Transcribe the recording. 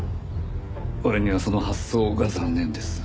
俺にはその発想が残念です。